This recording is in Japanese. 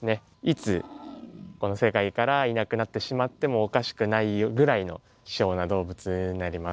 いつこの世界からいなくなってしまってもおかしくないぐらいの希少な動物になります。